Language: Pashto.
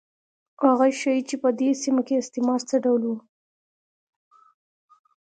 هغه ښيي چې په دې سیمه کې استعمار څه ډول و.